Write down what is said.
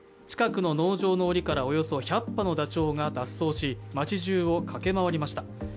近くの農場のおりからおよそ１００羽のダチョウが脱走し町じゅうを駆け回りました。